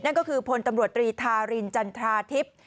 นั่นก็คือพลตำรวจตรีทารินจันทราทิพย์